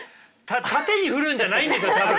縦に振るんじゃないんですよ多分。